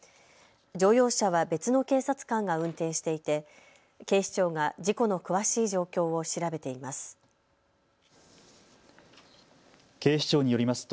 乗用車は別の警察官が運転していて警視庁が事故の詳しい状況を調べています。